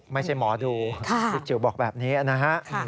ไม่ใช่หมอดูพี่จิ๋วบอกแบบนี้นะฮะ